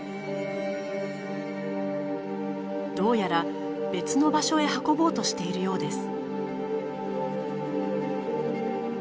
どうやら別の場所へ運ぼうとしているようです。